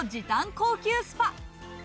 高級スパ。